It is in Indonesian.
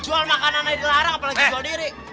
jual makanan lagi larang apalagi jual diri